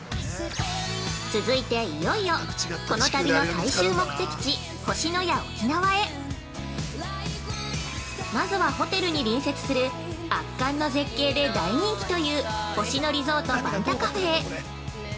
◆続いていよいよ、この旅の最終目的地「星のや沖縄」へまずはホテルに隣接する圧巻の絶景で大人気という星野リゾートバンタカフェへ！